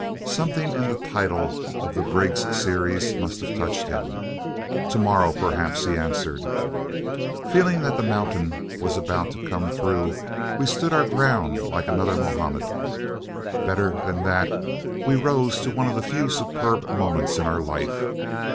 Something in the title of the Briggs series must have touched him. "To morrow, perhaps," he answered. Feeling that the mountain was about to come through we stood our ground like another Mahomet. Better than that we rose to one of the few superb moments in our life.